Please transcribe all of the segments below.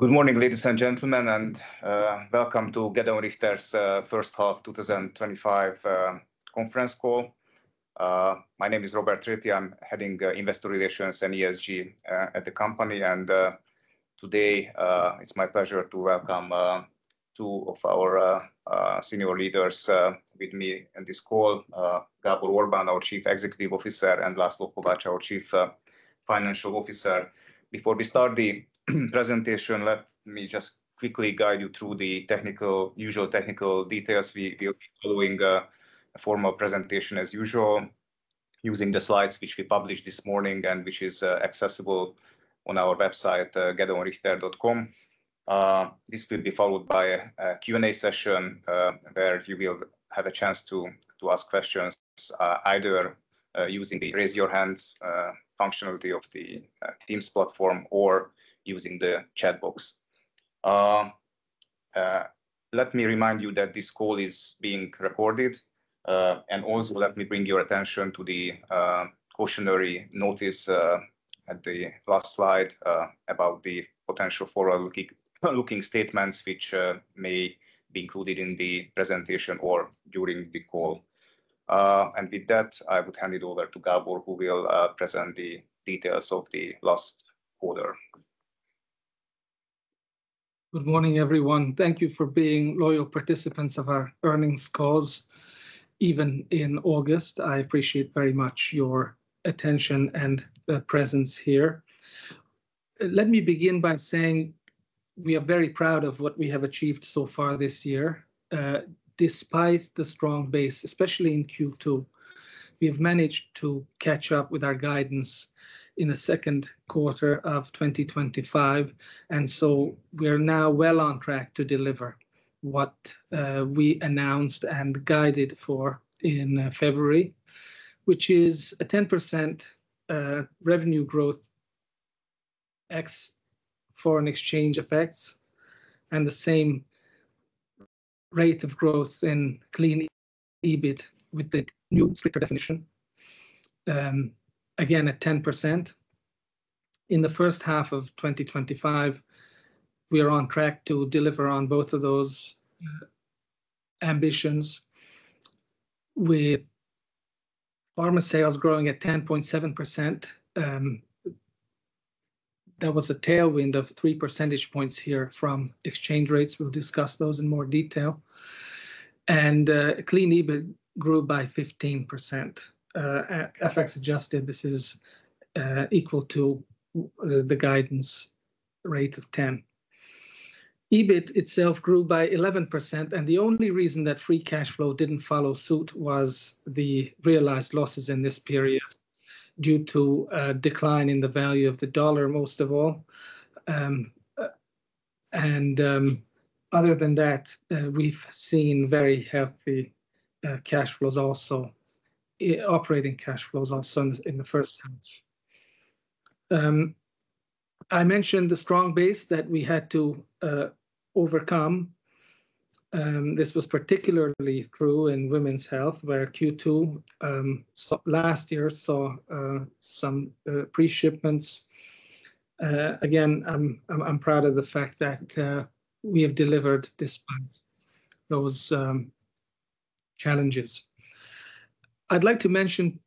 Good morning, ladies and gentlemen, and welcome to Gedeon Richter's first half 2025 conference call. My name is Róbert Réthy. I'm heading Investor Relations and ESG at the company. Today, it's my pleasure to welcome two of our senior leaders with me on this call, Gábor Orbán, our Chief Executive Officer, and László Kovács, our Chief Financial Officer. Before we start the presentation, let me just quickly guide you through the usual technical details. We're following a formal presentation as usual, using the slides which we published this morning and which is accessible on our website, gedeonrichter.com. This will be followed by a Q&A session, where you will have a chance to ask questions, either using the Raise Your Hand functionality of the Teams platform or using the chat box. Let me remind you that this call is being recorded. Also let me bring your attention to the cautionary notice at the last slide about the potential forward-looking statements which may be included in the presentation or during the call. With that, I would hand it over to Gábor, who will present the details of the last quarter. Good morning, everyone. Thank you for being loyal participants of our earnings calls, even in August. I appreciate very much your attention and presence here. Let me begin by saying we are very proud of what we have achieved so far this year. Despite the strong base, especially in Q2, we've managed to catch up with our guidance in the second quarter of 2025. We are now well on track to deliver what we announced and guided for in February, which is a 10% revenue growth ex-foreign exchange effects, and the same rate of growth in clean EBIT with the new stricter definition, again, at 10%. In the first half of 2025, we are on track to deliver on both of those ambitions with Pharma sales growing at 10.7%. There was a tailwind of 3 percentage points here from exchange rates. We'll discuss those in more detail. Clean EBIT grew by 15%. At FX-adjusted, this is equal to the guidance rate of 10%. EBIT itself grew by 11%. The only reason that free cash flow didn't follow suit was the realized losses in this period due to a decline in the value of the dollar, most of all. Other than that, we've seen very healthy cash flows also, operating cash flows also in the first half. I mentioned the strong base that we had to overcome. This was particularly true in Women's Health, where Q2 last year saw some pre-shipments. Again, I'm proud of the fact that we have delivered despite those challenges. I'd like to mention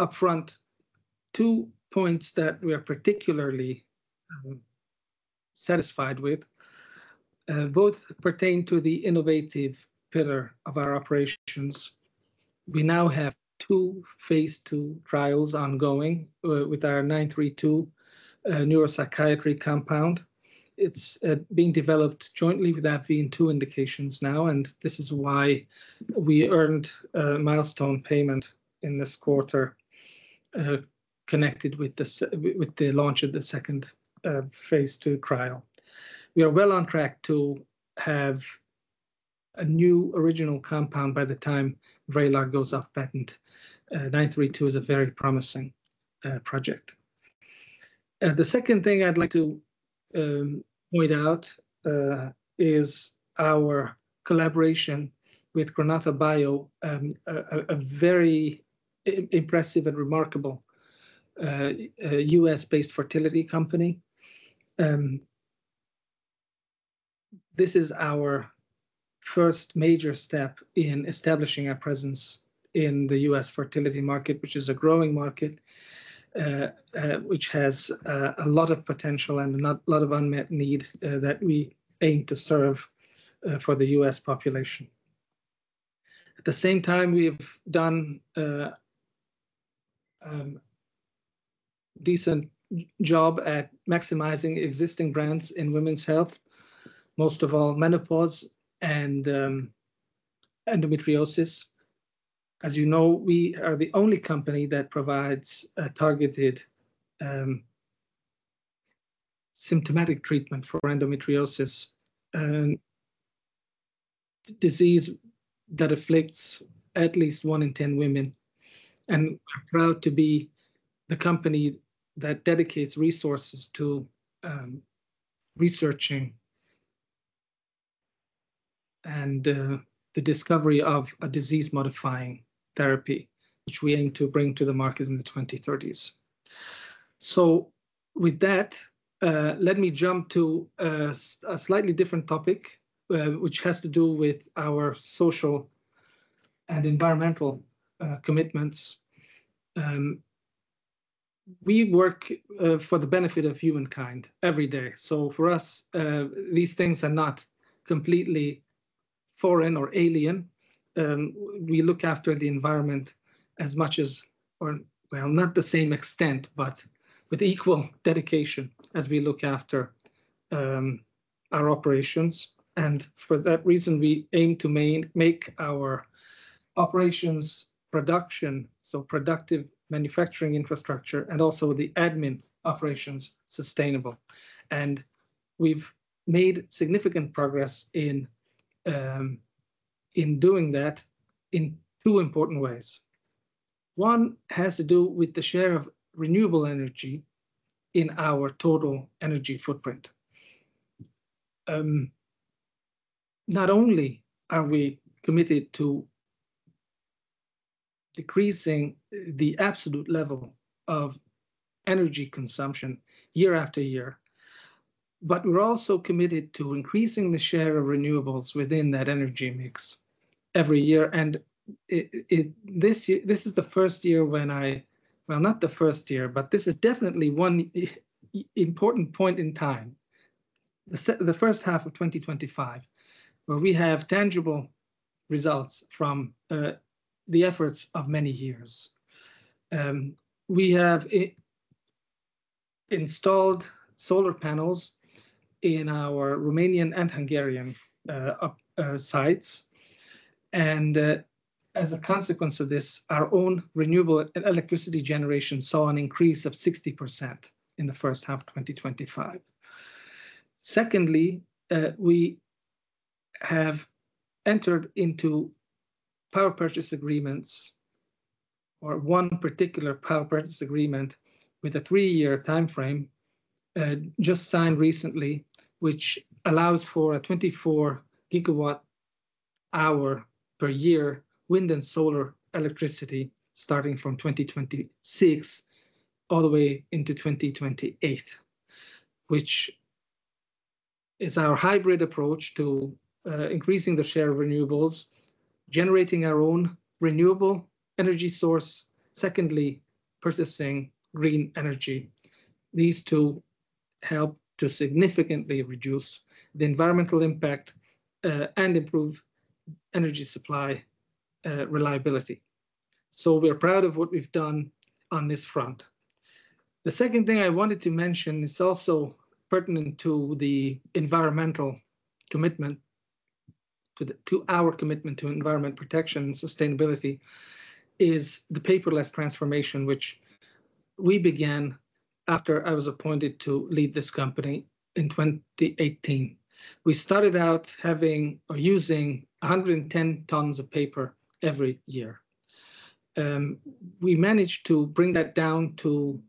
upfront two points that we are particularly satisfied with. Both pertain to the innovative pillar of our operations. We now have two phase II trials ongoing with our 932 Neuropsychiatry compound. It's being developed jointly with AbbVie in two indications now, and this is why we earned a milestone payment in this quarter connected with the launch of the second phase II trial. We are well on track to have a new original compound by the time VRAYLAR goes off patent. 932 is a very promising project. The second thing I'd like to point out is our collaboration with Granata Bio, a very impressive and remarkable U.S.-based fertility company. This is our first major step in establishing a presence in the U.S. fertility market, which is a growing market, which has a lot of potential and a lot of unmet need that we aim to serve for the U.S. population. At the same time, we have done a decent job at maximizing existing brands in Women's Health, most of all menopause and endometriosis. As you know, we are the only company that provides a targeted, symptomatic treatment for endometriosis, a disease that afflicts at least one in 10 women, and are proud to be the company that dedicates resources to researching and the discovery of a disease-modifying therapy, which we aim to bring to the market in the 2030s. With that, let me jump to a slightly different topic, which has to do with our social and environmental commitments. We work for the benefit of humankind every day. For us, these things are not completely foreign or alien. We look after the environment as much as, or well, not the same extent, but with equal dedication as we look after our operations. For that reason, we aim to make our operations production, so productive manufacturing infrastructure, and also the admin operations sustainable. We've made significant progress in doing that in two important ways. One has to do with the share of renewable energy in our total energy footprint. Not only are we committed to decreasing the absolute level of energy consumption year after year, but we're also committed to increasing the share of renewables within that energy mix every year. This is the first year. Well, not the first year, but this is definitely one important point in time, the first half of 2025, where we have tangible results from the efforts of many years. We have installed solar panels in our Romanian and Hungarian sites. As a consequence of this, our own renewable electricity generation saw an increase of 60% in the first half 2025. Secondly, we have entered into power purchase agreements, or one particular power purchase agreement with a three-year timeframe, just signed recently, which allows for a 24 GWh/year wind and solar electricity starting from 2026 all the way into 2028, which is our hybrid approach to increasing the share of renewables, generating our own renewable energy source. Secondly, purchasing green energy. These two help to significantly reduce the environmental impact, and improve energy supply, reliability. We're proud of what we've done on this front. The second thing I wanted to mention is also pertinent to the environmental commitment to our commitment to environment protection and sustainability, is the paperless transformation which we began after I was appointed to lead this company in 2018. We started out having or using 110 tonnes of paper every year. We managed to bring that down to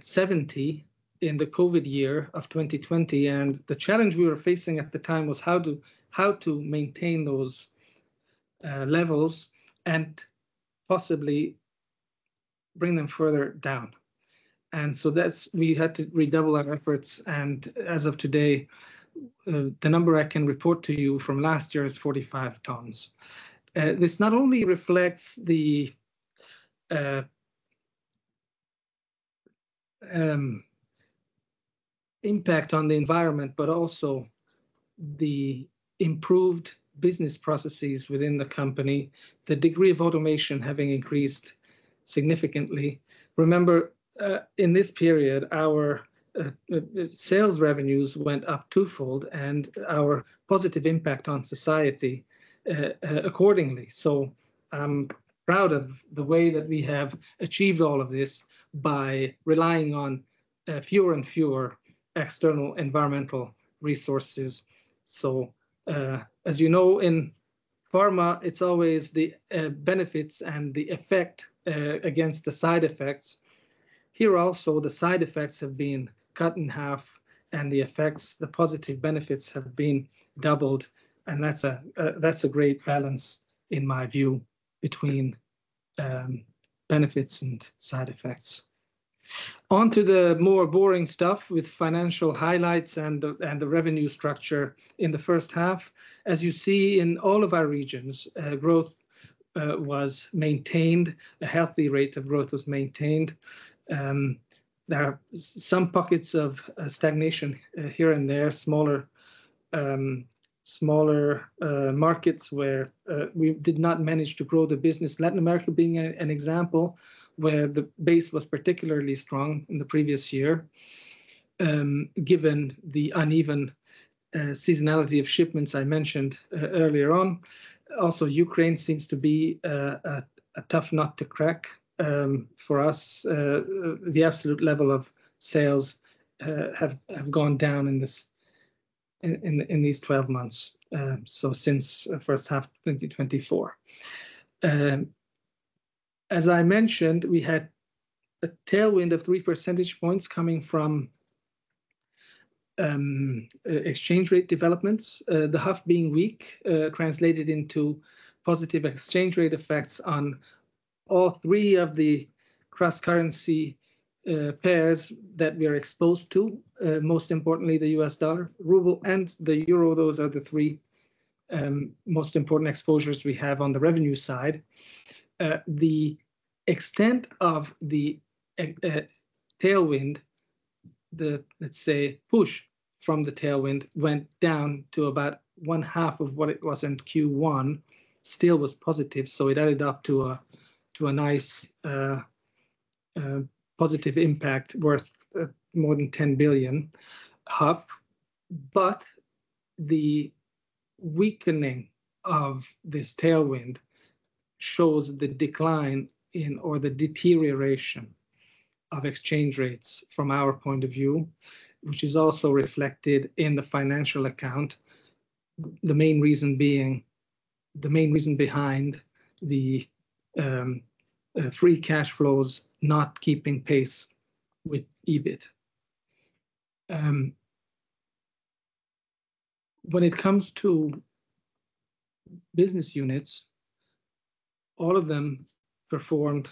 70 tonnes in the COVID year of 2020. The challenge we were facing at the time was how to maintain those levels and possibly bring them further down. We had to redouble our efforts, and as of today, the number I can report to you from last year is 45 tonnes. This not only reflects the impact on the environment, but also the improved business processes within the company, the degree of automation having increased significantly. Remember, in this period, our sales revenues went up twofold and our positive impact on society accordingly. I'm proud of the way that we have achieved all of this by relying on fewer and fewer external environmental resources. As you know, in Pharma, it's always the benefits and the effect against the side effects. Here also, the side effects have been cut in half, and the effects, the positive benefits have been doubled, and that's a great balance, in my view, between benefits and side effects. On to the more boring stuff with financial highlights and the revenue structure in the first half. As you see in all of our regions, growth was maintained. A healthy rate of growth was maintained. There are some pockets of stagnation here and there, smaller markets where we did not manage to grow the business. Latin America being an example where the base was particularly strong in the previous year. Given the uneven seasonality of shipments I mentioned earlier on. Also, Ukraine seems to be a tough nut to crack for us. The absolute level of sales have gone down in these 12 months, so since first half 2024. As I mentioned, we had a tailwind of 3 percentage points coming from exchange rate developments. The HUF being weak translated into positive exchange rate effects on all three of the cross-currency pairs that we are exposed to, most importantly, the U.S. dollar, ruble, and the euro. Those are the three most important exposures we have on the revenue side. The extent of the tailwind, the, let's say, push from the tailwind went down to about one half of what it was in Q1. Still was positive, it added up to a, to a nice positive impact worth more than 10 billion. The weakening of this tailwind shows the decline in or the deterioration of exchange rates from our point of view, which is also reflected in the financial account. The main reason behind the free cash flows not keeping pace with EBIT. When it comes to business units, all of them performed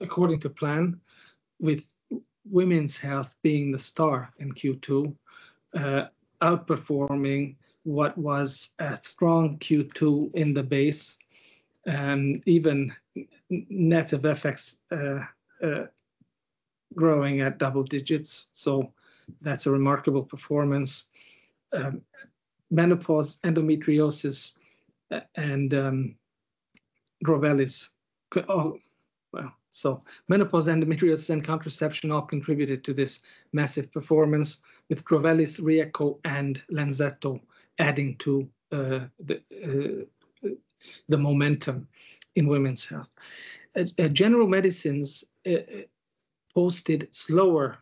according to plan, with Women's Health being the star in Q2, outperforming what was a strong Q2 in the base, even net of FX, growing at double-digits. That's a remarkable performance. Menopause, endometriosis, and Drovelis, oh well, so menopause, endometriosis, and contraception all contributed to this massive performance, with Drovelis, RYEQO, and Lenzetto adding to the momentum in Women's Health. General Medicines posted slower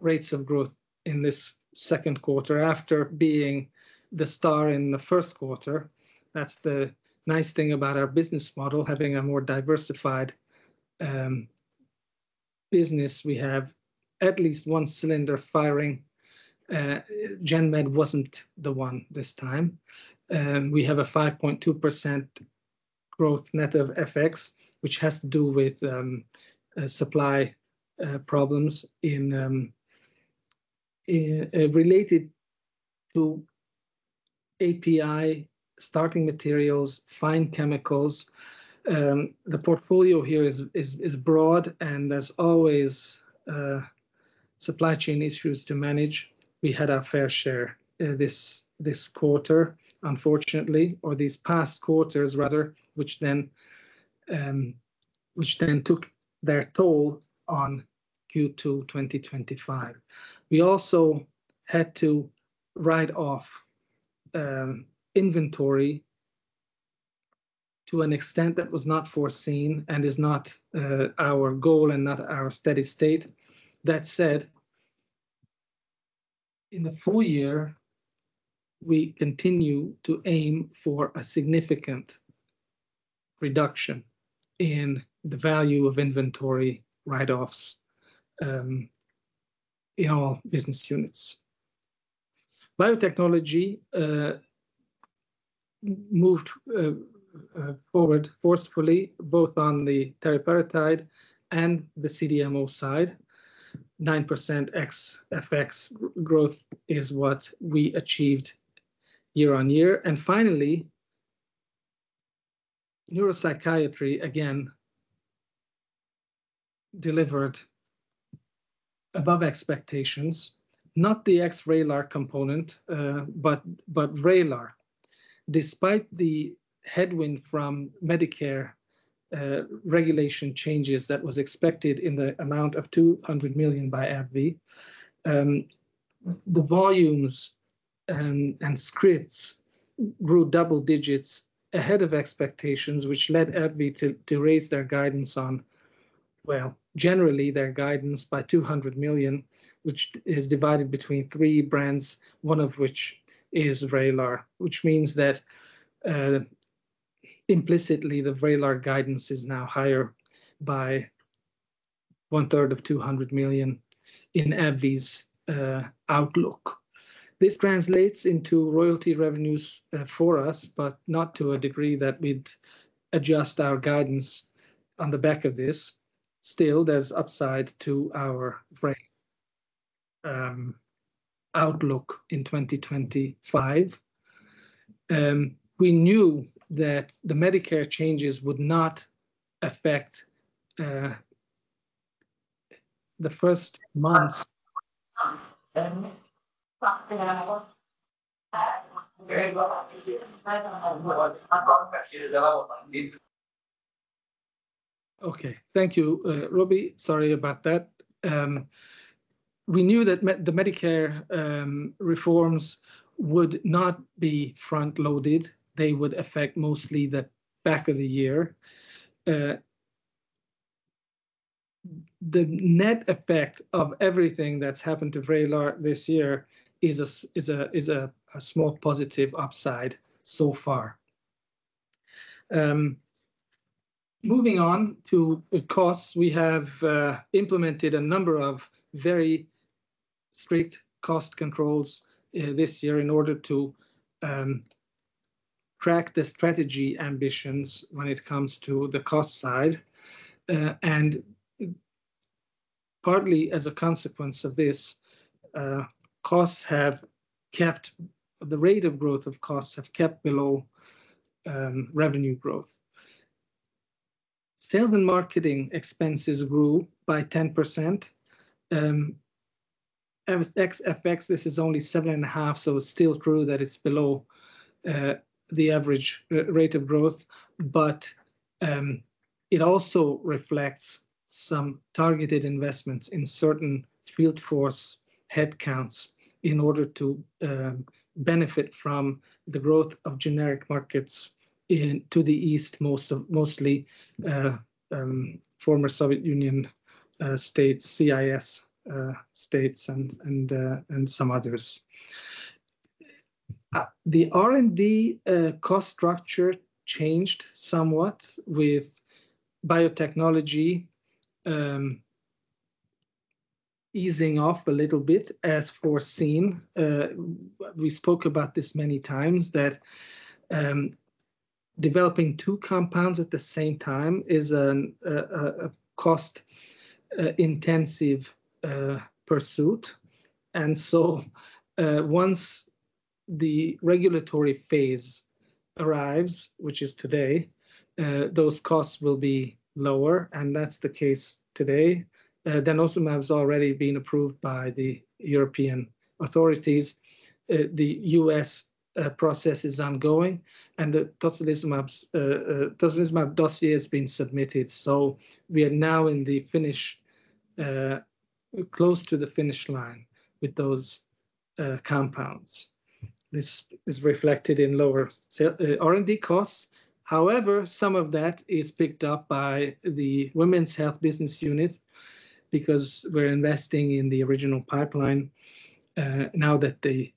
rates of growth in this second quarter after being the star in the first quarter. That's the nice thing about our business model, having a more diversified business. We have at least one cylinder firing. GenMed wasn't the one this time. We have a 5.2% growth net of FX, which has to do with supply problems in related to API starting materials, fine chemicals. The portfolio here is broad, and there's always supply chain issues to manage. We had our fair share this quarter, unfortunately, or these past quarters rather, which then took their toll on Q2 2025. We also had to write off inventory to an extent that was not foreseen and is not our goal and not our steady state. In the full year, we continue to aim for a significant reduction in the value of inventory write-offs in all business units. Biotechnology moved forward forcefully, both on the teriparatide and the CDMO side. 9% ex-FX growth is what we achieved year on year. Finally, Neuropsychiatry again delivered above expectations, not the ex-VRAYLAR component, but VRAYLAR. Despite the headwind from Medicare regulation changes that was expected in the amount of 200 million by AbbVie, the volumes and scripts grew double-digits ahead of expectations, which led AbbVie to raise their guidance on generally their guidance by 200 million, which is divided between three brands, one of which is VRAYLAR. Which means that implicitly the VRAYLAR guidance is now higher by 1/3 of 200 million in AbbVie's outlook. This translates into royalty revenues for us, not to a degree that we'd adjust our guidance on the back of this. Still, there's upside to our VRAYLAR outlook in 2025. We knew that the Medicare changes would not affect the first months. [inaudible] Okay. Thank you, Robi. Sorry about that. We knew that the Medicare reforms would not be front-loaded. They would affect mostly the back of the year. The net effect of everything that's happened to VRAYLAR this year is a small positive upside so far. Moving on to costs. We have implemented a number of very strict cost controls this year in order to track the strategy ambitions when it comes to the cost side. Partly as a consequence of this, the rate of growth of costs have kept below revenue growth. Sales and marketing expenses grew by 10%. Ex-FX, this is only 7.5%, so it's still true that it's below the average rate of growth. It also reflects some targeted investments in certain field force headcounts in order to benefit from the growth of generic markets to the east, mostly former Soviet Union states, CIS states and some others. The R&D cost structure changed somewhat with biotechnology easing off a little bit as foreseen. We spoke about this many times that developing two compounds at the same time is an a cost intensive pursuit. Once the regulatory phase arrives, which is today, those costs will be lower, and that's the case today. Denosumab's already been approved by the European authorities. The U.S. process is ongoing, and the tocilizumab's, tocilizumab dossier has been submitted. We are now in the finish, close to the finish line with those compounds. This is reflected in lower R&D costs. However, some of that is picked up by the Women's Health business unit, because we're investing in the original pipeline, now that the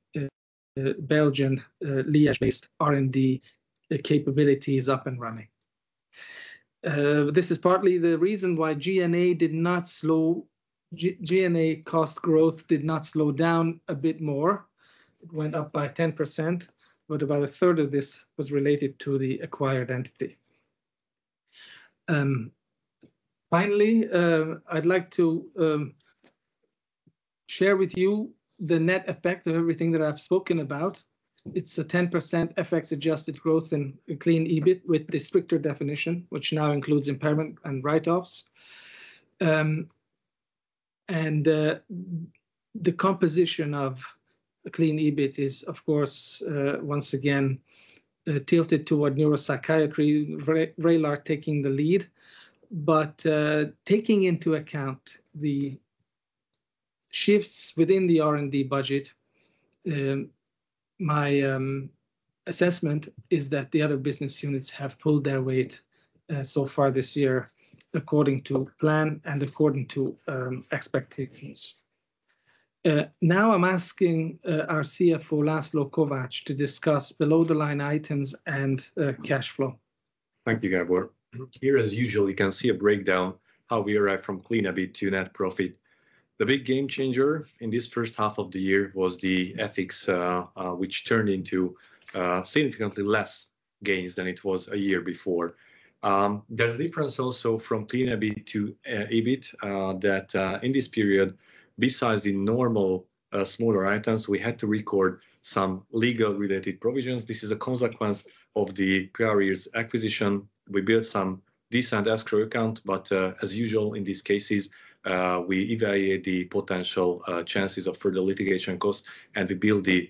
Belgian, Liège-based R&D capability is up and running. This is partly the reason why G&A cost growth did not slow down a bit more. It went up by 10%, about 1/3 of this was related to the acquired entity. Finally, I'd like to share with you the net effect of everything that I've spoken about. It's a 10% FX-adjusted growth in clean EBIT with the stricter definition, which now includes impairment and write-offs. The composition of a clean EBIT is of course, once again, tilted toward Neuropsychiatry, VRAYLAR taking the lead. Taking into account the shifts within the R&D budget, my assessment is that the other business units have pulled their weight so far this year according to plan and according to expectations. Now I'm asking our CFO, László Kovács, to discuss below-the-line items and cash flow. Thank you, Gábor. Here, as usual, you can see a breakdown how we arrive from clean EBIT to net profit. The big game changer in this first half of the year was the FX, which turned into significantly less gains than it was a year before. There's difference also from clean EBIT to EBIT that in this period, besides the normal, smaller items, we had to record some legal-related provisions. This is a consequence of the prior year's acquisition. We built some decent escrow account, but, as usual in these cases, we evaluate the potential chances of further litigation costs and we build the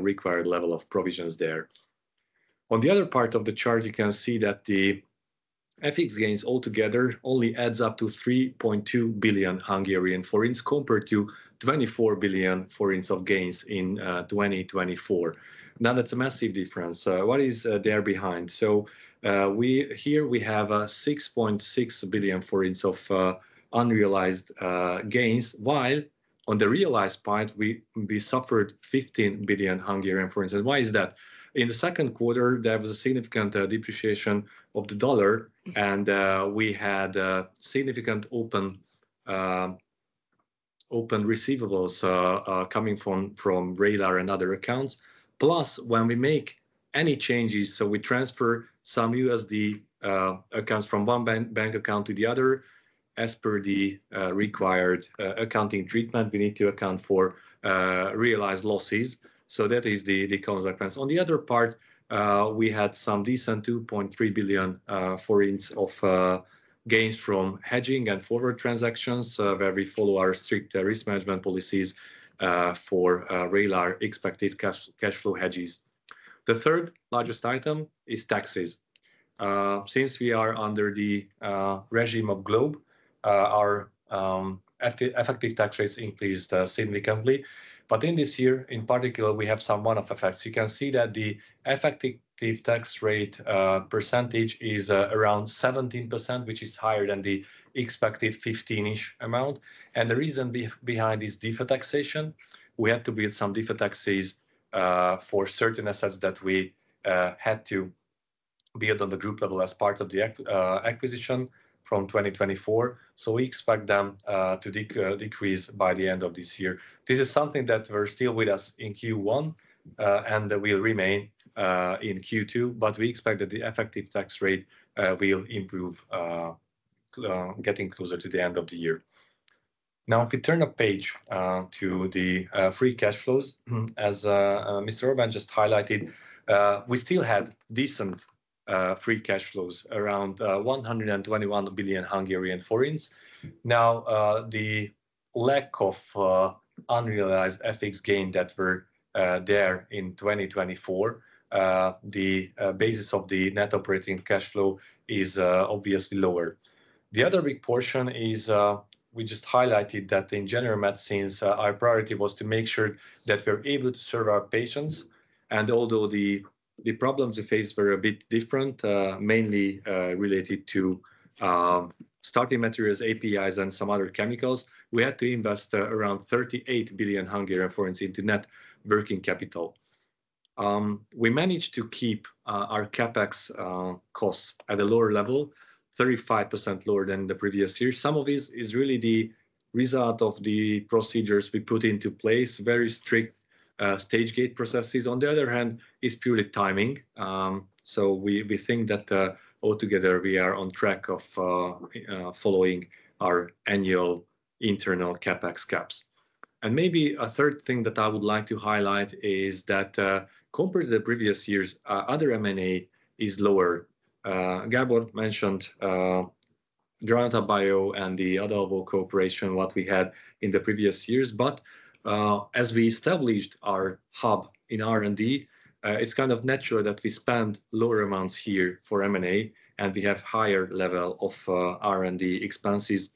required level of provisions there. On the other part of the chart, you can see that the FX gains altogether only adds up to 3.2 billion Hungarian forints compared to 24 billion forints of gains in 2024. That's a massive difference. What is there behind? Here we have 6.6 billion forints of unrealized gains, while on the realized part, we suffered 15 billion. Why is that? In the second quarter, there was a significant depreciation of the dollar, and we had significant open, open receivables coming from VRAYLAR and other accounts. When we make any changes, we transfer some USD accounts from one bank account to the other, as per the required accounting treatment, we need to account for realized losses. That is the consequence. On the other part, we had some decent 2.3 billion of gains from hedging and forward transactions, where we follow our strict risk management policies for VRAYLAR expected cash flow hedges. The third-largest item is taxes. Since we are under the regime of GloBE, our effective tax rates increased significantly. In this year in particular, we have some one-off effects. You can see that the effective tax rate percentage is around 17%, which is higher than the expected 15-ish amount. The reason behind is DTA taxation. We had to build some DTA taxes for certain assets that we had to be it on the group level as part of the acquisition from 2024. We expect them to decrease by the end of this year. This is something that was still with us in Q1, and that will remain in Q2, but we expect that the effective tax rate will improve, getting closer to the end of the year. If we turn a page to the free cash flows, as Mr. Orbán just highlighted, we still have decent free cash flows, around 121 billion Hungarian forints. Now, the lack of unrealized FX gain that was there in 2024, the basis of the net operating cash flow is obviously lower. The other big portion is, we just highlighted that in General Medicines, our priority was to make sure that we're able to serve our patients. Although the problems we faced were a bit different, mainly related to starting materials, APIs, and some other chemicals, we had to invest around 38 billion Hungarian forints into net working capital. We managed to keep our CapEx costs at a lower level, 35% lower than the previous year. Some of this is really the result of the procedures we put into place, very strict stage gate processes. On the other hand, it's purely timing. We think that altogether we are on track of following our annual internal CapEx caps. Maybe a third thing that I would like to highlight is that, compared to the previous years, our other M&A is lower. Gábor mentioned Granata Bio and the Adalvo cooperation, what we had in the previous years. As we established our hub in R&D, it's kind of natural that we spend lower amounts here for M&A, and we have higher level of R&D expenses.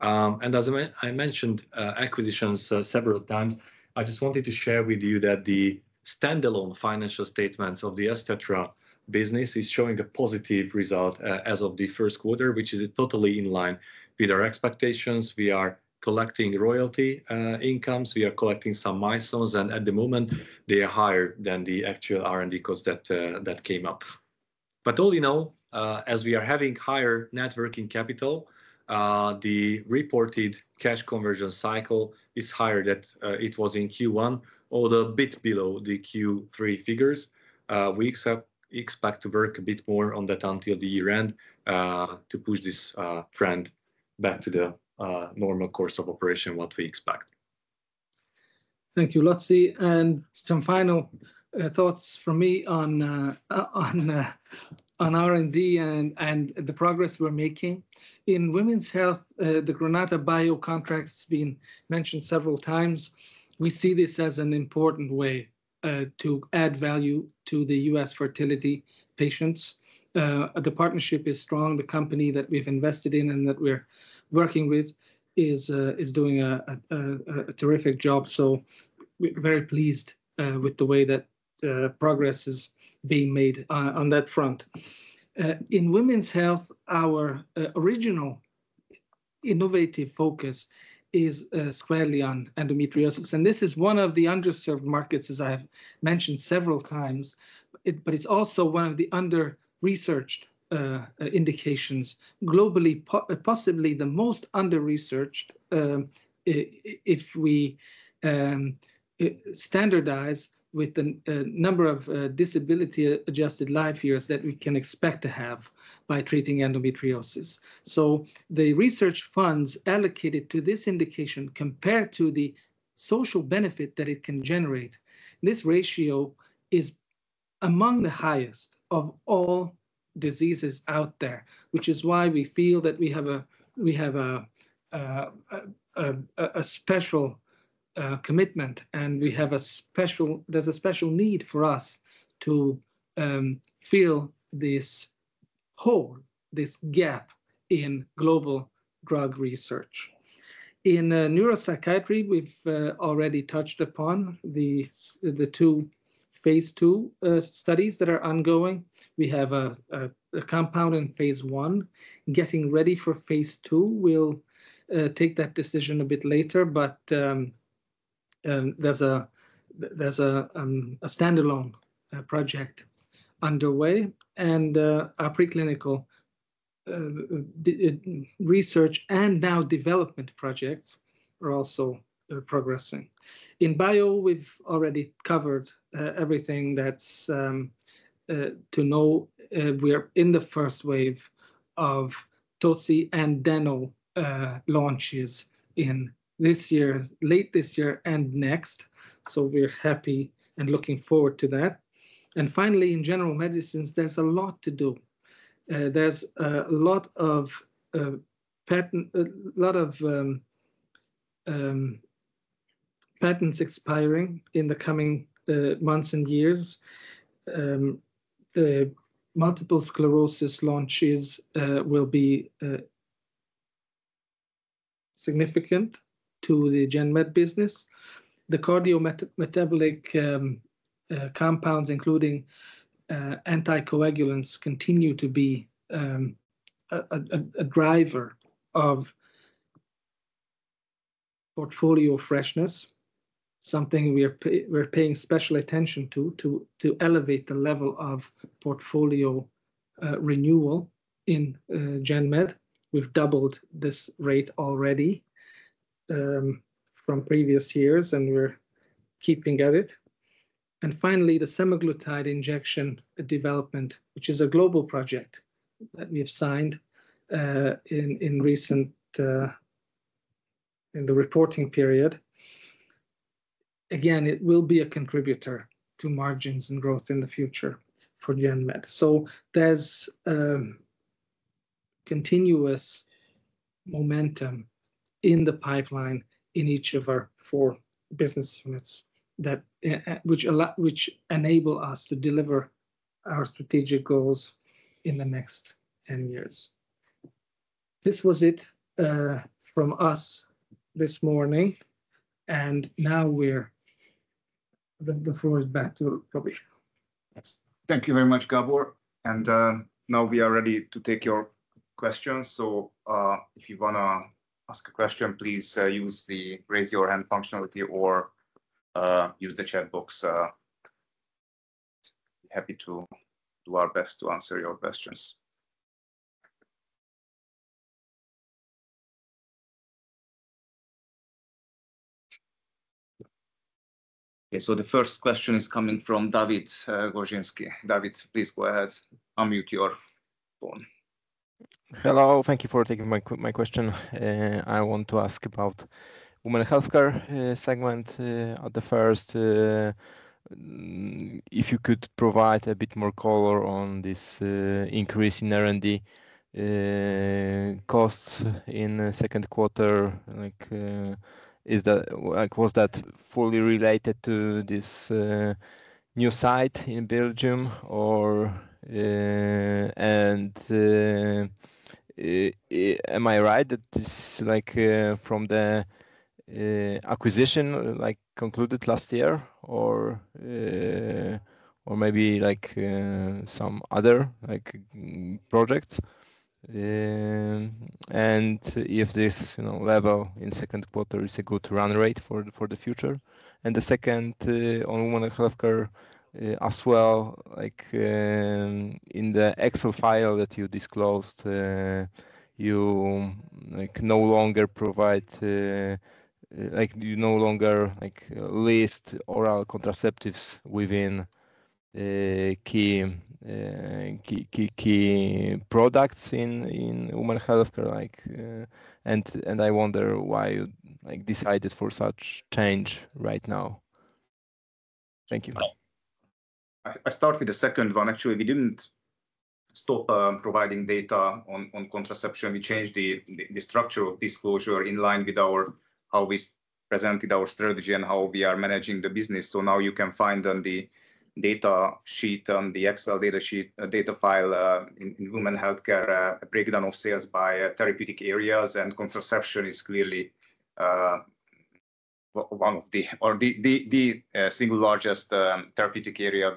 As I mentioned acquisitions several times, I just wanted to share with you that the standalone financial statements of the Estetra business is showing a positive result as of the first quarter, which is totally in line with our expectations. We are collecting royalty incomes, we are collecting some milestones, and at the moment they are higher than the actual R&D costs that came up. All in all, as we are having higher net working capital, the reported cash conversion cycle is higher than it was in Q1, although a bit below the Q3 figures. We expect to work a bit more on that until the year-end, to push this trend back to the normal course of operation what we expect. Thank you, Laci. Some final thoughts from me on R&D and the progress we're making. In Women's Health, the Granata Bio contract's been mentioned several times. We see this as an important way to add value to the U.S. fertility patients. The partnership is strong. The company that we've invested in and that we're working with is doing a terrific job. We're very pleased with the way that progress is being made on that front. In Women's Health, our original innovative focus is squarely on endometriosis, and this is one of the underserved markets, as I have mentioned several times. It's also one of the under-researched indications globally, possibly the most under-researched, if we standardize with the number of disability-adjusted life years that we can expect to have by treating endometriosis. The research funds allocated to this indication compared to the social benefit that it can generate, this ratio is among the highest of all diseases out there, which is why we feel that we have a special commitment, and there's a special need for us to fill this hole, this gap in global drug research. In Neuropsychiatry, we've already touched upon the two phase II studies that are ongoing. We have a compound in phase I getting ready for phase II. We'll take that decision a bit later, but there's a standalone project underway, and our preclinical research and now development projects are also progressing. In Bio, we've already covered everything that's to know. We are in the first wave of toci and deno launches in this year, late this year and next, so we're happy and looking forward to that. Finally, in General Medicines, there's a lot to do. There's a lot of patents expiring in the coming months and years. The multiple sclerosis launches will be significant to the GenMed business. The cardiometabolic compounds, including anticoagulants, continue to be a driver of portfolio freshness, something we're paying special attention to to elevate the level of portfolio renewal in GenMed. We've doubled this rate already from previous years, we're keeping at it. Finally, the semaglutide injection development, which is a global project that we have signed in recent in the reporting period. Again, it will be a contributor to margins and growth in the future for GenMed. There's continuous momentum in the pipeline in each of our four business units that which enable us to deliver our strategic goals in the next 10 years. This was it from us this morning. Now we're the floor is back to Robi. Yes. Thank you very much, Gábor. Now we are ready to take your questions. If you wanna ask a question, please use the raise your hand functionality or use the chat box. Happy to do our best to answer your questions. Okay. The first question is coming from Dawid Górzyński. Dawid, please go ahead, unmute your phone. Hello. Thank you for taking my question. I want to ask about Women Healthcare segment. The first, if you could provide a bit more color on this increase in R&D costs in the second quarter, like, was that fully related to this new site in Belgium? Am I right that this, like, from the acquisition, like, concluded last year or maybe, like, some other, like, project? If this, you know, level in second quarter is a good run rate for the future? The second, on Women Healthcare, as well, like, in the Excel file that you disclosed, you, like, no longer provide, like, you no longer, like, list oral contraceptives within key products in Women Healthcare. I wonder why you, like, decided for such change right now. Thank you. I start with the second one. Actually, we didn't stop providing data on contraception. We changed the structure of disclosure in line with how we presented our strategy and how we are managing the business. Now you can find on the data sheet, on the Excel data sheet, data file, in Women Healthcare a breakdown of sales by therapeutic areas, and contraception is clearly the single largest therapeutic area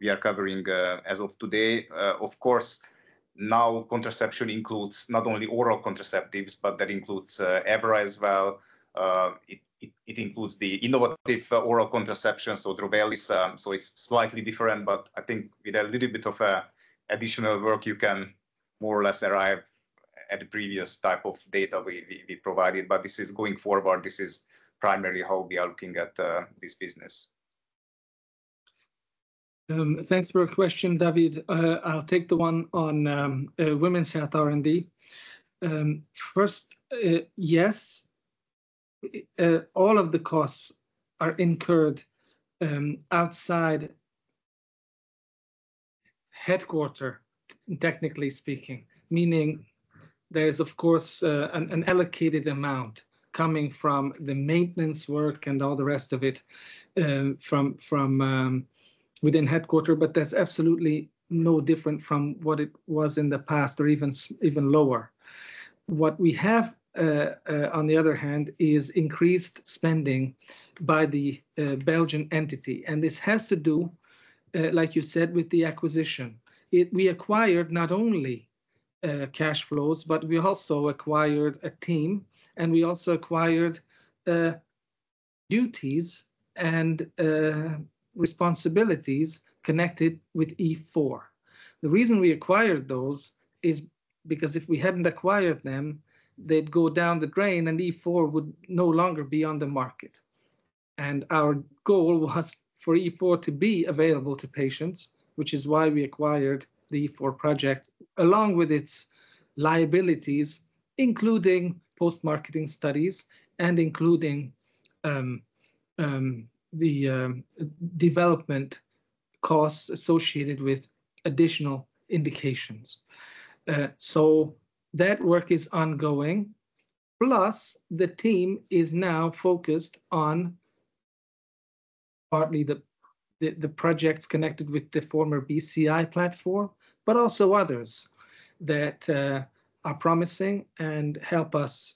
we are covering as of today. Of course, now contraception includes not only oral contraceptives, but that includes EVRA as well. It includes the innovative oral contraception, so Drovelis. It's slightly different, but I think with a little bit of additional work you can more or less arrive at the previous type of data we provided. This is going forward, this is primarily how we are looking at this business. Thanks for your question, Dawid. I'll take the one on Women's Health R&D. First, yes, all of the costs are incurred outside headquarter, technically speaking. Meaning there's of course an allocated amount coming from the maintenance work and all the rest of it from within headquarter, but that's absolutely no different from what it was in the past or even lower. What we have on the other hand, is increased spending by the Belgian entity, and this has to do like you said, with the acquisition. We acquired not only cash flows, but we also acquired a team, and we also acquired duties and responsibilities connected with E4. The reason we acquired those is because if we hadn't acquired them, they'd go down the drain and E4 would no longer be on the market. Our goal was for E4 to be available to patients, which is why we acquired the E4 project, along with its liabilities, including post-marketing studies and including the development costs associated with additional indications. That work is ongoing. The team is now focused on partly the projects connected with the former BCI platform, but also others that are promising and help us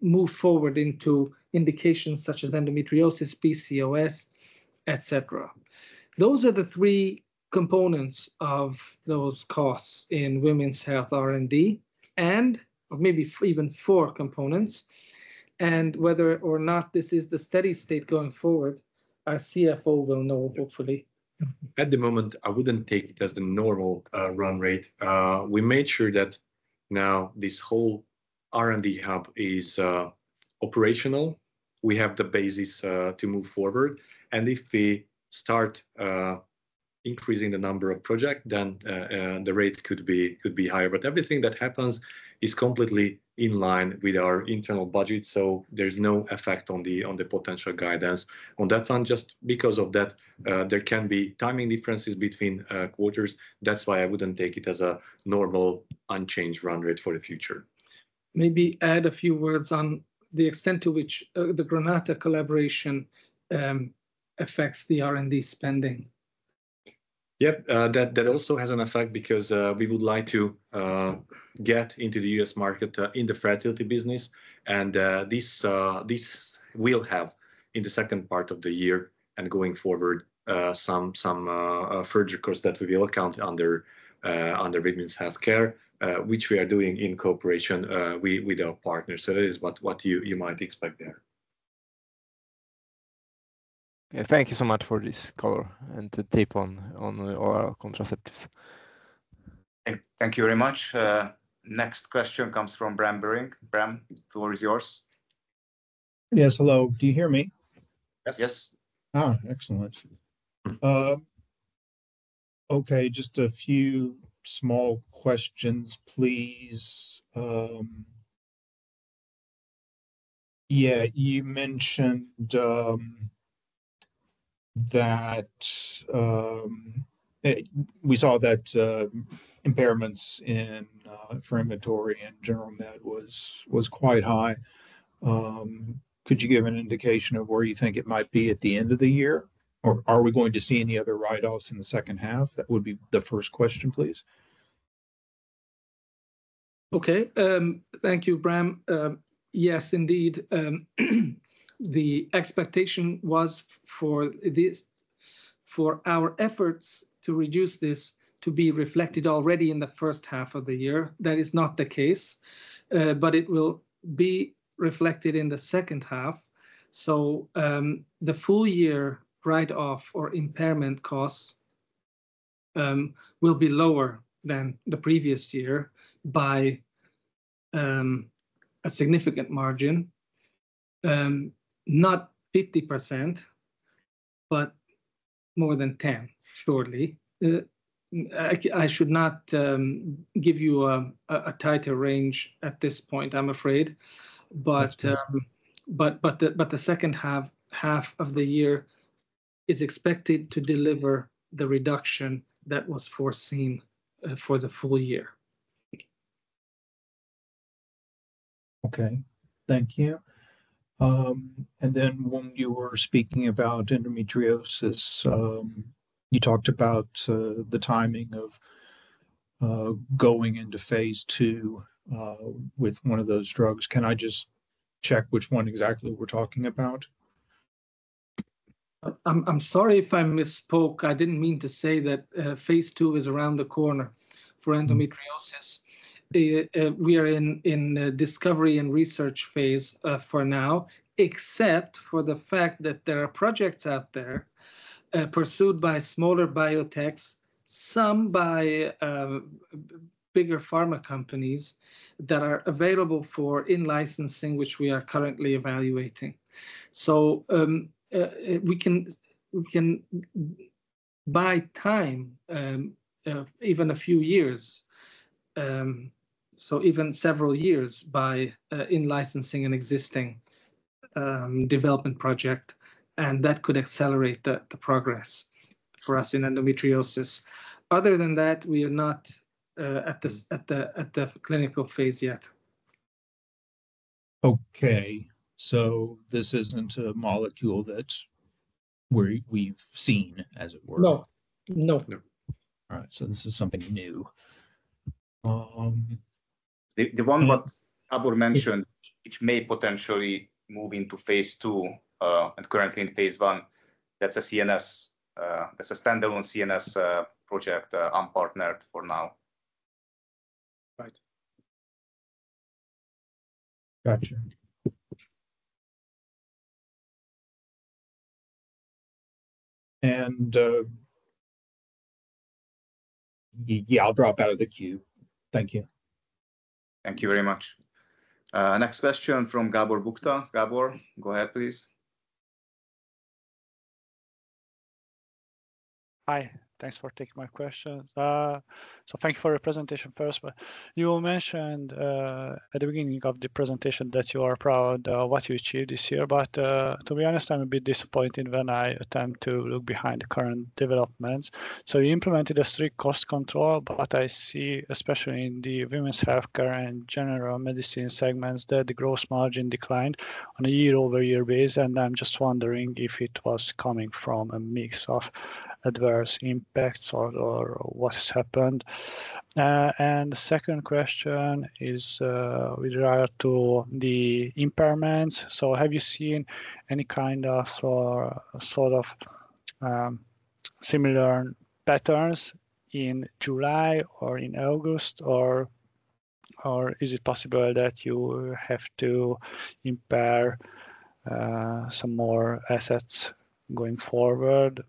move forward into indications such as endometriosis, PCOS, et cetera. Those are the three components of those costs in Women's Health R&D, even four components. And whether or not this is the steady state going forward, our CFO will know hopefully At the moment, I wouldn't take it as the normal run rate. We made sure that now this whole R&D hub is operational. We have the basis to move forward, and if we start increasing the number of project, then the rate could be higher. Everything that happens is completely in line with our internal budget, so there's no effect on the potential guidance. On that front just because of that, there can be timing differences between quarters. That's why I wouldn't take it as a normal unchanged run rate for the future. Maybe add a few words on the extent to which the Granata collaboration affects the R&D spending? Yep. That also has an effect because we would like to get into the U.S. market in the fertility business and this will have in the second part of the year and going forward some further course that we will account under Women's Healthcare which we are doing in cooperation with our partners. That is what you might expect there. Yeah. Thank you so much for this call and the take on the oral contraceptives. Thank you very much. Next question comes from Bram Buring. Bram, the floor is yours. Yes. Hello. Do you hear me? Yes. Yes. Excellent. Okay, just a few small questions, please. Yeah, you mentioned that, we saw that impairments in for inventory and General Med was quite high. Could you give an indication of where you think it might be at the end of the year? Or are we going to see any other write-offs in the second half? That would be the first question, please. Okay. Thank you, Bram. Yes, indeed. The expectation was for this, for our efforts to reduce this to be reflected already in the first half of the year. That is not the case, but it will be reflected in the second half. The full year write-off or impairment costs will be lower than the previous year by a significant margin. Not 50%, but more than 10% surely. I should not give you a tighter range at this point, I'm afraid. The second half of the year is expected to deliver the reduction that was foreseen for the full year. Okay. Thank you. When you were speaking about endometriosis, you talked about the timing of going into phase II with one of those drugs. Can I just check which one exactly we're talking about? I'm sorry if I misspoke. I didn't mean to say that phase II is around the corner for endometriosis. We are in discovery and research phase for now. Except for the fact that there are projects out there pursued by smaller biotechs, some by bigger pharma companies that are available for in-licensing, which we are currently evaluating. We can buy time, even a few years, so even several years by in-licensing an existing development project, and that could accelerate the progress for us in endometriosis. Other than that, we are not at the clinical phase yet. Okay. This isn't a molecule that we've seen, as it were? No. No. All right. This is something new. The one what Gábor mentioned, which may potentially move into phase II, and currently in phase I, that's a CNS, that's a standalone CNS project, unpartnered for now. Right. Gotcha. Yeah, I'll drop out of the queue. Thank you. Thank you very much. Next question from Gábor Bukta. Gabor, go ahead, please. Hi. Thanks for taking my question. Thank you for your presentation first. You mentioned at the beginning of the presentation that you are proud what you achieved this year. To be honest, I'm a bit disappointed when I attempt to look behind the current developments. You implemented a strict cost control, but I see, especially in the Women's Healthcare and General Medicines segments, that the gross margin declined on a year-over-year base, and I'm just wondering if it was coming from a mix of adverse impacts or what has happened. The second question is with regard to the impairments. Have you seen any kind of or sort of similar patterns in July or in August or is it possible that you have to impair some more assets going forward?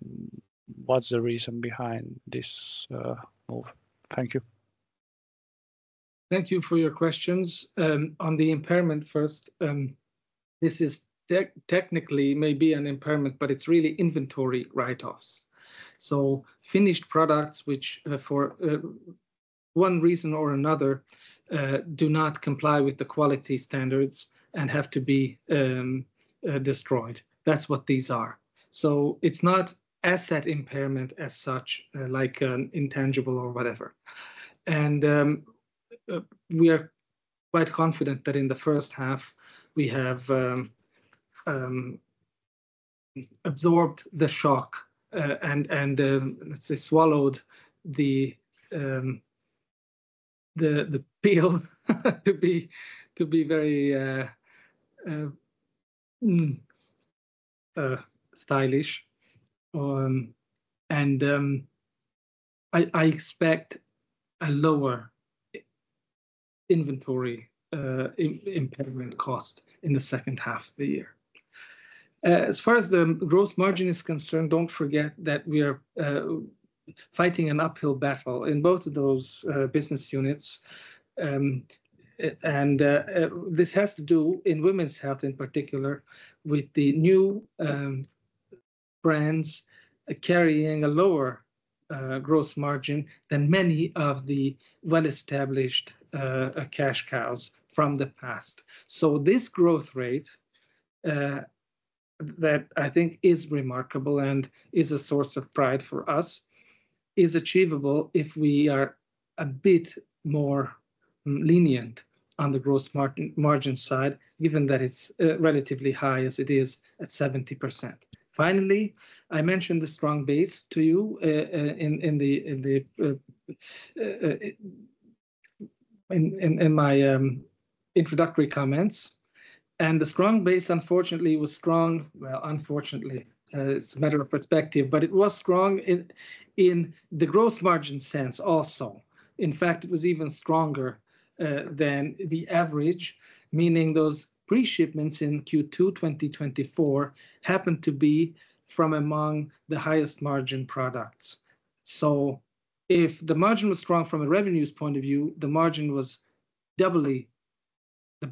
What's the reason behind this move? Thank you. Thank you for your questions. On the impairment first, this is technically may be an impairment, but it's really inventory write-offs. Finished products, which for one reason or another, do not comply with the quality standards and have to be destroyed. That's what these are. It's not asset impairment as such, like an intangible or whatever. We are quite confident that in the first half we have absorbed the shock and let's say swallowed the pill to be very stylish. I expect a lower inventory impairment cost in the second half of the year. As far as the gross margin is concerned, don't forget that we are fighting an uphill battle in both of those business units. This has to do, in Women's Health in particular, with the new brands carrying a lower gross margin than many of the well-established cash cows from the past. This growth rate, that I think is remarkable and is a source of pride for us, is achievable if we are a bit more lenient on the gross margin side, given that it's relatively high as it is at 70%. Finally, I mentioned the strong base to you in my introductory comments. The strong base, unfortunately, was strong. Unfortunately, it's a matter of perspective, but it was strong in the gross margin sense also. It was even stronger than the average, meaning those pre-shipments in Q2 2024 happened to be from among the highest margin products. If the margin was strong from a revenues point of view, the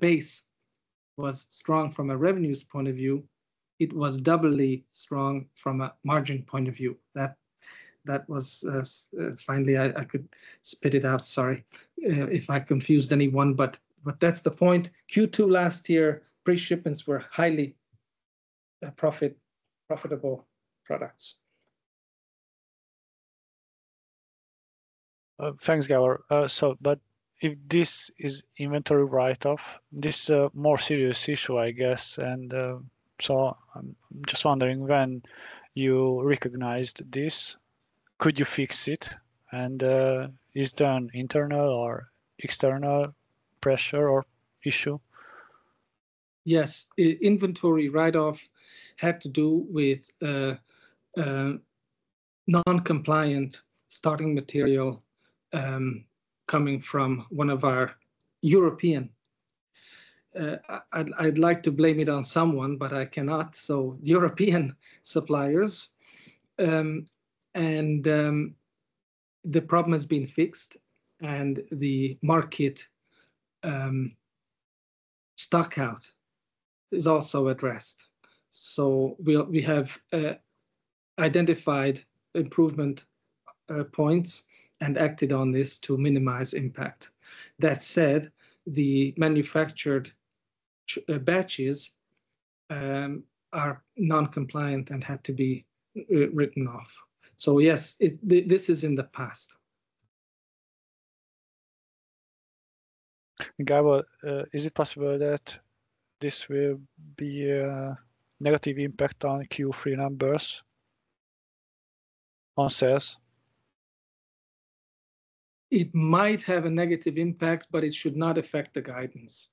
base was strong from a revenues point of view, it was doubly strong from a margin point of view. That was finally I could spit it out, sorry, if I confused anyone, that's the point. Q2 last year, pre-shipments were highly profitable products. Thanks, Gábor. But if this is inventory write-off, this a more serious issue, I guess. I'm just wondering when you recognized this, could you fix it? Is there an internal or external pressure or issue? Yes. Inventory write-off had to do with non-compliant starting material coming from one of our European. I'd like to blame it on someone, but I cannot, so European suppliers. The problem has been fixed, and the market stock out is also addressed. We have identified improvement points and acted on this to minimize impact. That said, the manufactured batches are non-compliant and had to be written off. So yes, it, this is in the past. Gábor, is it possible that this will be a negative impact on Q3 numbers on sales? It might have a negative impact, but it should not affect the guidance.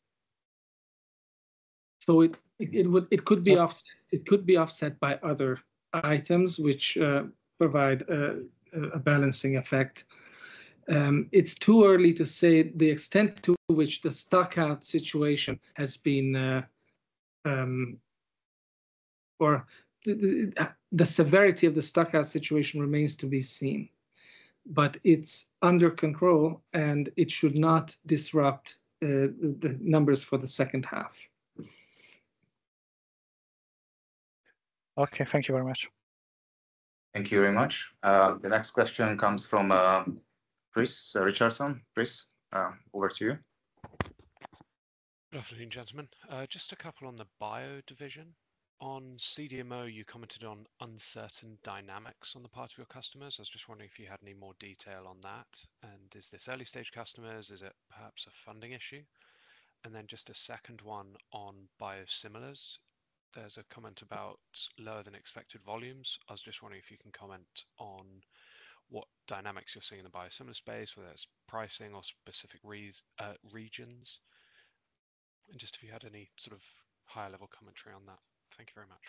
It could be offset by other items which provide a balancing effect. It's too early to say the extent to which the stock out situation has been or the severity of the stock out situation remains to be seen, but it's under control, and it should not disrupt the numbers for the second half. Okay. Thank you very much. Thank you very much. The next question comes from Chris Richardson. Chris, over to you. Good afternoon, gentlemen. Just a couple on the Bio division. On CDMO, you commented on uncertain dynamics on the part of your customers. I was just wondering if you had any more detail on that. Is this early-stage customers? Is it perhaps a funding issue? Then just a second one on biosimilars. There's a comment about lower than expected volumes. I was just wondering if you can comment on what dynamics you're seeing in the biosimilar space, whether it's pricing or specific regions. Just if you had any sort of high-level commentary on that. Thank you very much.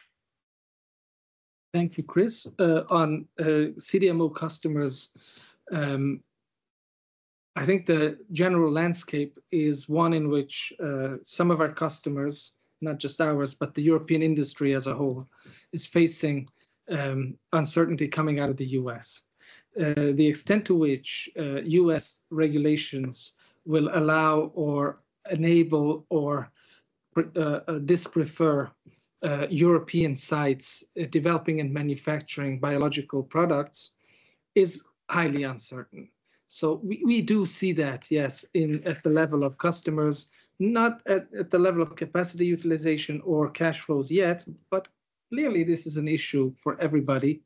Thank you, Chris. On CDMO customers, I think the general landscape is one in which some of our customers, not just ours, but the European industry as a whole, is facing uncertainty coming out of the U.S. The extent to which U.S. regulations will allow or enable or dis-prefer European sites developing and manufacturing biological products is highly uncertain. We, we do see that, yes, at the level of customers, not at the level of capacity utilization or cash flows yet, but clearly this is an issue for everybody.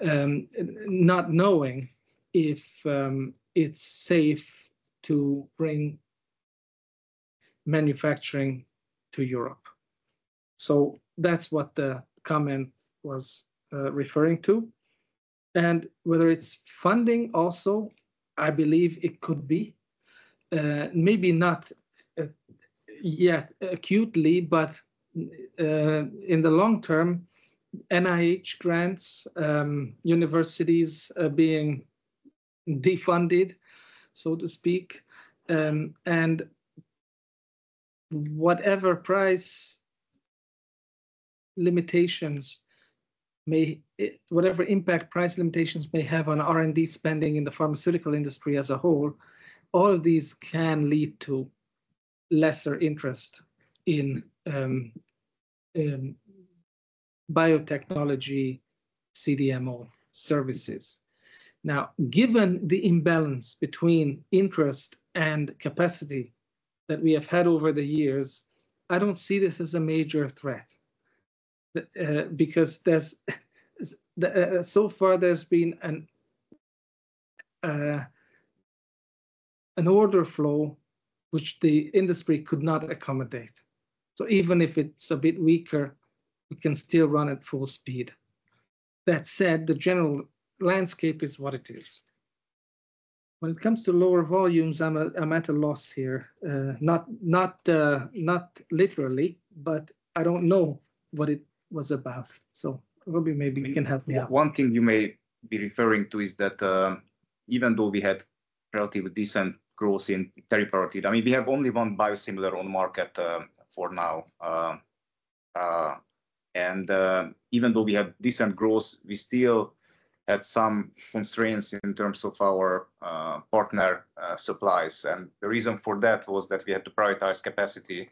Not knowing if it's safe to bring manufacturing to Europe. That's what the comment was referring to. Whether it's funding also, I believe it could be. Maybe not yet acutely, but in the long term, NIH grants, universities being defunded, so to speak. Whatever impact price limitations may have on R&D spending in the pharmaceutical industry as a whole, all of these can lead to lesser interest in biotechnology CDMO services. Given the imbalance between interest and capacity that we have had over the years, I don't see this as a major threat. Because so far there's been an order flow which the industry could not accommodate. Even if it's a bit weaker, we can still run at full speed. That said, the general landscape is what it is. When it comes to lower volumes, I'm at a loss here. Not literally, but I don't know what it was about. Robi maybe you can help me out. One thing you may be referring to is that, even though we had relatively decent growth in teriparatide, I mean, we have only one biosimilar on market for now. Even though we have decent growth, we still had some constraints in terms of our partner supplies. The reason for that was that we had to prioritize capacity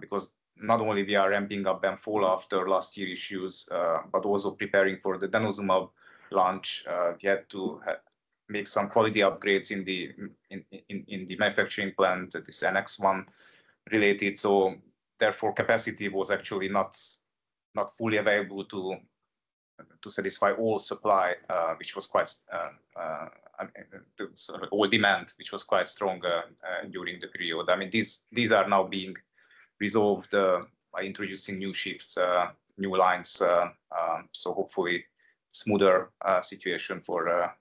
because not only the RM being up and full after last year issues, but also preparing for the denosumab launch. We had to make some quality upgrades in the manufacturing plant that is NX1 related. Therefore, capacity was actually not fully available to satisfy all demand, which was quite strong during the period. I mean, these are now being resolved, by introducing new shifts, new lines, so hopefully smoother situation for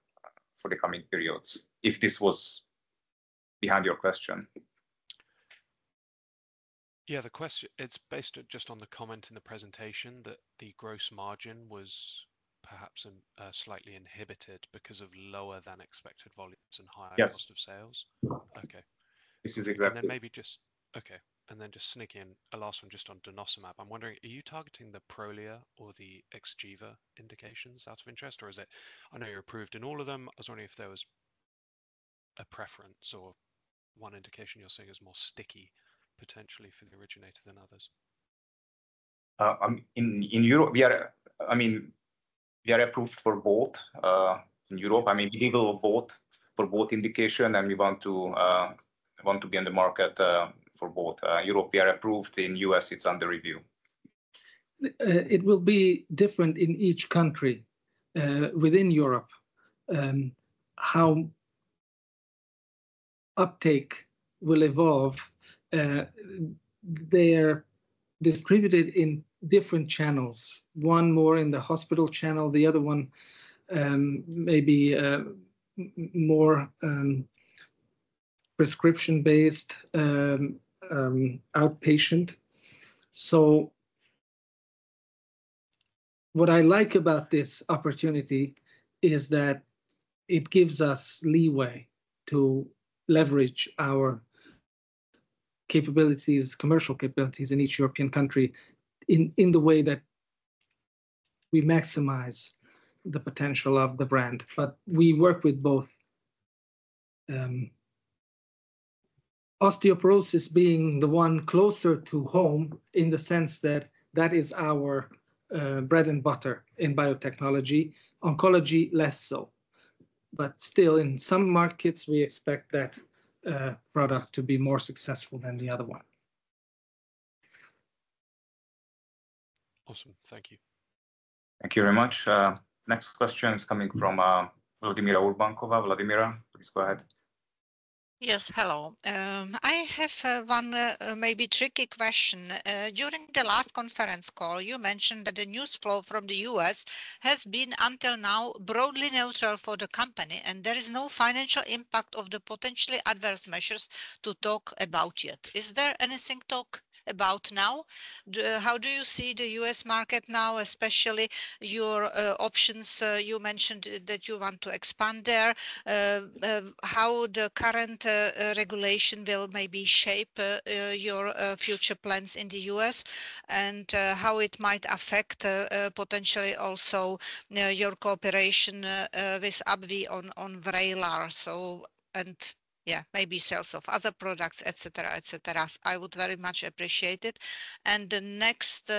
the coming periods, if this was behind your question. Yeah. The question, it's based just on the comment in the presentation that the gross margin was perhaps slightly inhibited because of lower than expected volumes and- Yes. -costs of sales. Mm-hmm. Okay. This is exactly- Maybe just. Okay. Just sneak in a last one just on denosumab. I'm wondering, are you targeting the Prolia or the Xgeva indications out of interest? I know you're approved in all of them. I was wondering if there was a preference or one indication you're seeing is more sticky potentially for the originator than others. In Europe, I mean, we are approved for both. In Europe, I mean, legal both for both indication. We want to be in the market for both. In Europe, we are approved. In the U.S., it's under review. It will be different in each country within Europe, how uptake will evolve. They're distributed in different channels. One more in the hospital channel, the other one maybe more prescription-based outpatient. What I like about this opportunity is that it gives us leeway to leverage our capabilities, commercial capabilities in each European country in the way that we maximize the potential of the brand. We work with both, osteoporosis being the one closer to home in the sense that that is our bread and butter in biotechnology, oncology, less so. Still, in some markets, we expect that product to be more successful than the other one. Awesome. Thank you. Thank you very much. Next question is coming from Vladimira Urbankova. Vladimira, please go ahead. Yes. Hello. I have one maybe tricky question. During the last conference call, you mentioned that the news flow from the U.S. has been until now broadly neutral for the company, and there is no financial impact of the potentially adverse measures to talk about yet. Is there anything to talk about now? How do you see the U.S. market now, especially your options, you mentioned that you want to expand there? How the current regulation bill maybe shape your future plans in the U.S? And how it might affect potentially also, you know, your cooperation with AbbVie on VRAYLAR, and maybe sales of other products, et cetera, et cetera. I would very much appreciate it. The next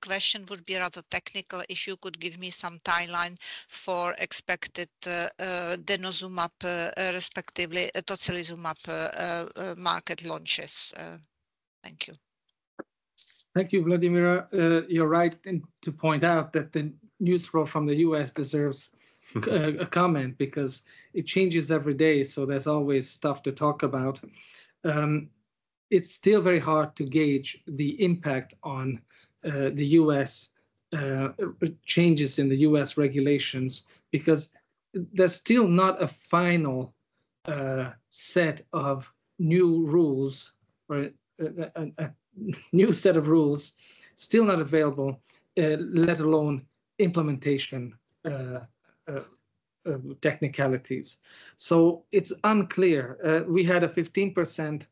question would be a rather technical issue. Could give me some timeline for expected denosumab, respectively tocilizumab, market launches? Thank you. Thank you, Vladimira. You're right and to point out that the news flow from the U.S. deserves a comment because it changes every day, so there's always stuff to talk about. It's still very hard to gauge the impact on the U.S., changes in the U.S. regulations because there's still not a final set of new rules or a new set of rules still not available, let alone implementation technicalities. It's unclear. We had a 15%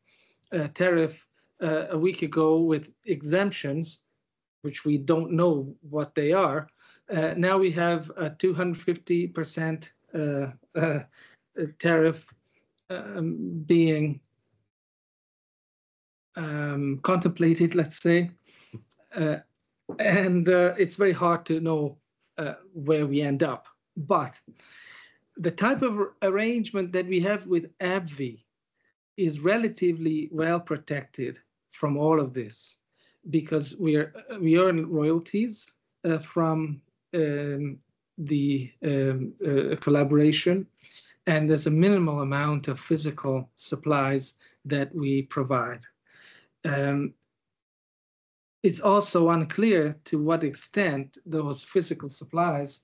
tariff a week ago with exemptions, which we don't know what they are. We have a 250% tariff being contemplated, let's say. It's very hard to know where we end up. The type of arrangement that we have with AbbVie is relatively well protected from all of this because we earn royalties from the collaboration, and there's a minimal amount of physical supplies that we provide. It's also unclear to what extent those physical supplies,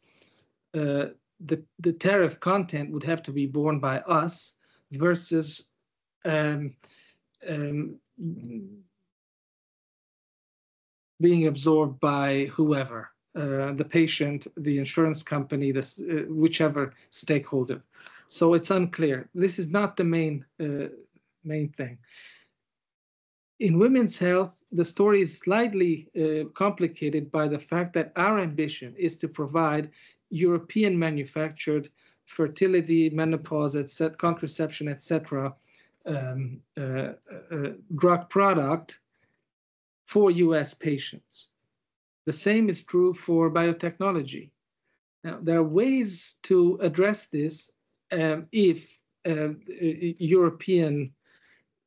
the tariff content would have to be borne by us versus being absorbed by whoever, the patient, the insurance company, whichever stakeholder. It's unclear. This is not the main thing. In Women's Health, the story is slightly complicated by the fact that our ambition is to provide European-manufactured fertility, menopause, contraception, et cetera, drug product for U.S. patients. The same is true for biotechnology. There are ways to address this, if European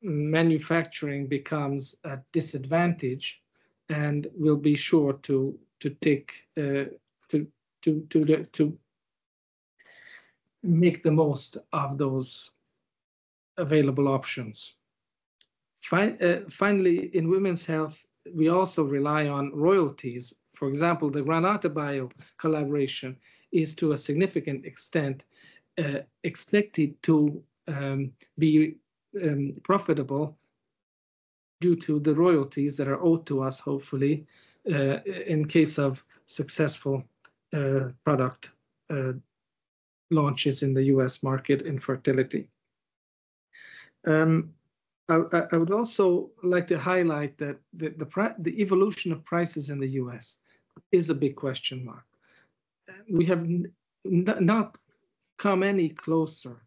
manufacturing becomes a disadvantage, and we'll be sure to take to make the most of those available options. Finally, in Women's Health, we also rely on royalties. For example, the Granata Bio collaboration is, to a significant extent, expected to be profitable due to the royalties that are owed to us, hopefully, in case of successful product launches in the U.S. market in fertility. I would also like to highlight that the evolution of prices in the U.S. is a big question mark. We have not come any closer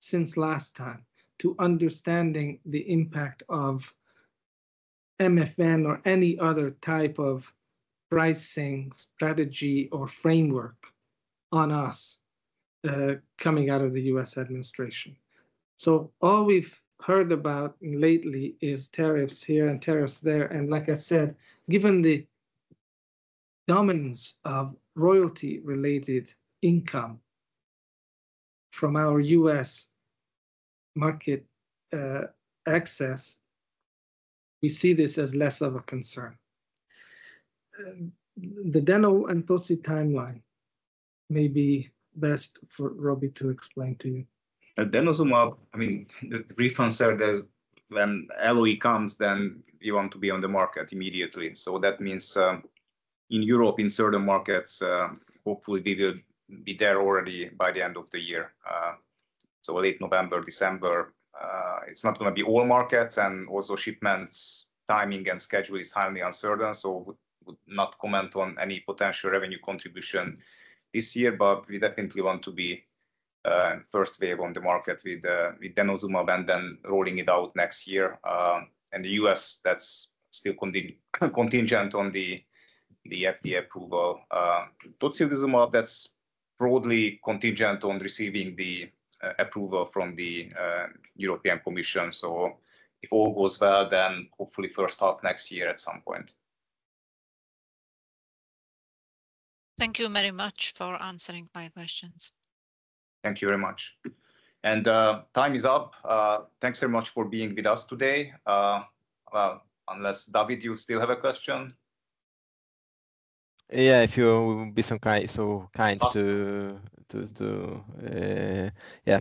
since last time to understanding the impact of MFN or any other type of pricing strategy or framework on us, coming out of the U.S. administration. All we've heard about lately is tariffs here and tariffs there and, like I said, given the dominance of royalty-related income from our U.S. market access, we see this as less of a concern. The deno and toci timeline may be best for Robi to explain to you. Denosumab, I mean, the brief answer is when LOE comes, you want to be on the market immediately. That means, in Europe, in certain markets, hopefully we will be there already by the end of the year, late November, December. It's not gonna be all markets, and also shipments timing and schedule is highly uncertain, would not comment on any potential revenue contribution this year. We definitely want to be first wave on the market with denosumab and rolling it out next year. The U.S., that's still contingent on the FDA approval. Tocilizumab, that's broadly contingent on receiving the approval from the European Commission. If all goes well, hopefully first half next year at some point. Thank you very much for answering my questions. Thank you very much. Time is up. Thanks very much for being with us today. Well, unless Dawid, you still have a question. Yeah, if you be some kind, so kind to, yeah.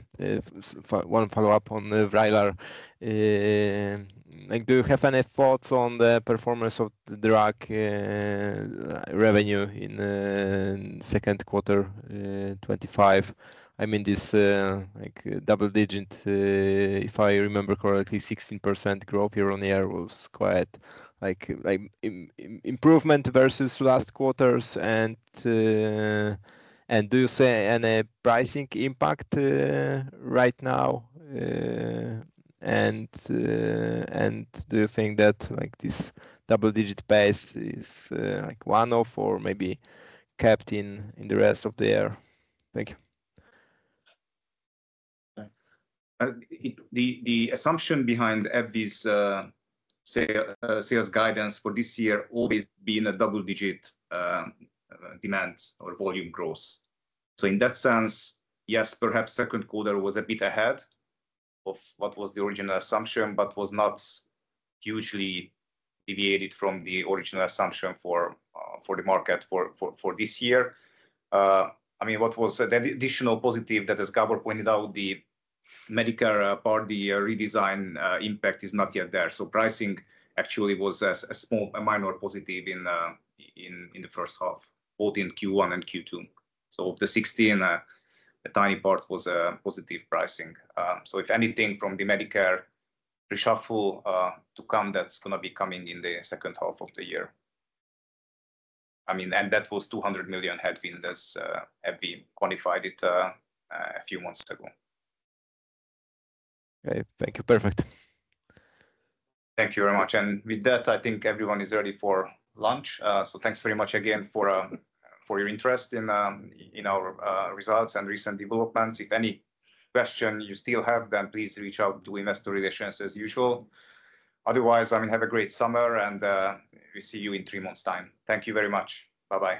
One follow-up on the VRAYLAR. Like do you have any thoughts on the performance of the drug, revenue in second quarter 2025? I mean this, like double-digit, if I remember correctly, 16% growth year-on-year was quite like improvement versus last quarters and do you see any pricing impact right now? Do you think that like this double-digit base is like one-off or maybe kept in the rest of the year? Thank you. The assumption behind AbbVie's sales guidance for this year always been a double-digit demand or volume growth. In that sense, yes, perhaps second quarter was a bit ahead of what was the original assumption, but was not hugely deviated from the original assumption for the market for this year. I mean, what was the additional positive that, as Gábor pointed out, the Medicare Part D redesign impact is not yet there. Pricing actually was a small, a minor positive in the first half, both in Q1 and Q2. Of the 16, a tiny part was positive pricing. If anything from the Medicare reshuffle to come, that's gonna be coming in the second half of the year. I mean, that was 200 million headwind as AbbVie quantified it a few months ago. Okay. Thank you. Perfect. Thank you very much. With that, I think everyone is ready for lunch. Thanks very much again for your interest in our results and recent developments. If any question you still have, please reach out to Investor Relations as usual. Otherwise, I mean, have a great summer and we see you in three months' time. Thank you very much. Bye-bye.